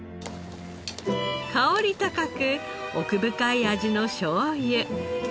香り高く奥深い味のしょうゆ。